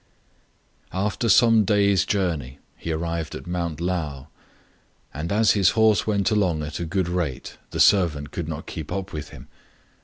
After some days' journey he arrived at Mount Lao ; and, as his horse went along at a good rate, the servant could not keep up with him.